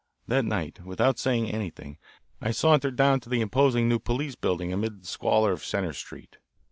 That night, without saying anything, I sauntered down to the imposing new police building amid the squalor of Center Street.